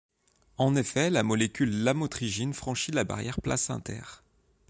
En effet la molécule de lamotrigine franchit la barrière placentaire.